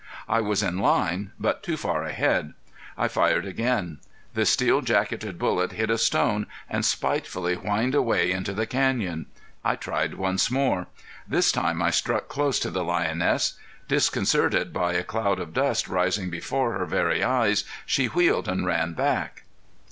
I was in line, but too far ahead. I fired again. The steel jacketed bullet hit a stone and spitefully whined away into the canyon. I tried once more. This time I struck close to the lioness. Disconcerted by a cloud of dust rising before her very eyes she wheeled and ran back.